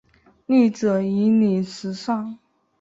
绿色引领时尚。